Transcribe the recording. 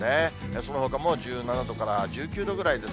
そのほかも１７度から１９度ぐらいです。